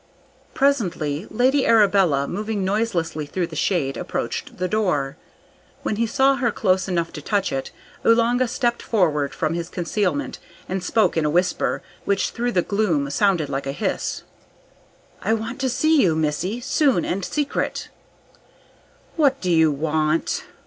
Presently Lady Arabella, moving noiselessly through the shade, approached the door. When he saw her close enough to touch it, Oolanga stepped forward from his concealment, and spoke in a whisper, which through the gloom sounded like a hiss. "I want to see you, missy soon and secret." "What do you want?"